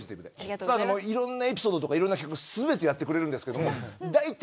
ただいろんなエピソードとかいろんな企画全てやってくれるんですけど大体。